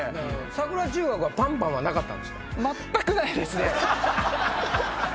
桜中学はパンパンはなかったんですか？